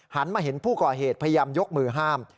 มาเห็นผู้ก่อเหตุพยายามยกมือห้าม